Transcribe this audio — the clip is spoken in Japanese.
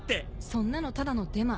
そんなのただのデマ。